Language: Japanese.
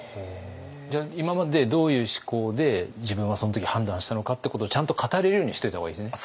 今までどういう思考で自分はその時判断したのかってことをちゃんと語れるようにしといた方がいいですね。